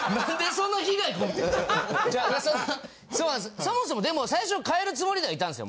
そもそもでも最初変えるつもりではいたんすよ